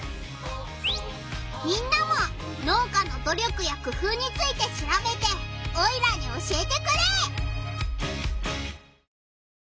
みんなも農家の努力やくふうについてしらべてオイラに教えてくれ！